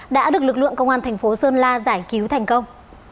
đã được lực lượng công an tp sơn la giải cứu thành công